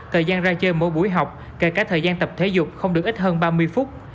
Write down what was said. thời gian ra chơi mỗi buổi học kể cả thời gian tập thể dục không được ít hơn ba mươi phút